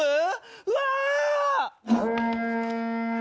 うわ！